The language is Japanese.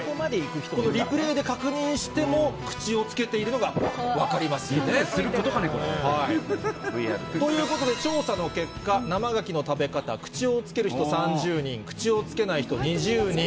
リプレイで確認しても、口をつけているのが分かりますよね。ということで、調査の結果、生ガキの食べ方、口をつける人３０人、口をつけない人２０人。